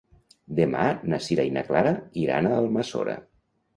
Demà na Sira i na Clara iran a Almassora.